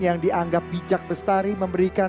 yang dianggap bijak bestari memberikan